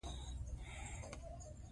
په علمي فعاليتونو کې برخه نه شي اخىستى